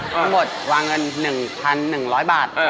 ทั้งหมดวางเงิน๑๑๐๐บาท